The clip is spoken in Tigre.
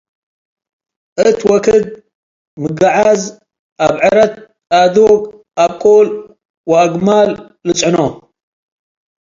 እት ወክድ ምግዓዝ አብዕ ረት፣ አዱግ፡፣ አብቁል ወአግማል ልጽዕኖ ።